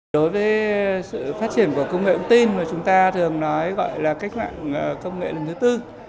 đối với sự phát triển của công nghệ thông tin mà chúng ta thường nói gọi là cách mạng công nghệ lần thứ tư